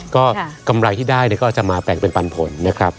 ก็กำไรที่ได้ก็จะมาแบ่งเป็นปันผลนะครับ